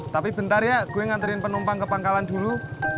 tapi bentar ya gue nganterin penumpang ke pangkalan dulu